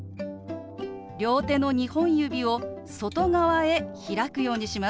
両手の２本指を外側へ開くようにします。